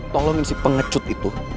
tolongin si pengecut itu